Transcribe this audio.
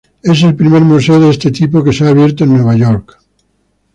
Es el primer museo de ese tipo que se ha abierto en Nueva York.